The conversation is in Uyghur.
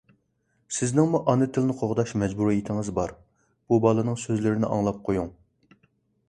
سىزنىڭمۇ ئانا تىلنى قوغداش مەجبۇرىيىتىڭىز بار. بۇ بالىنىڭ سۆزلىرىنى ئاڭلاپ قويۇڭ.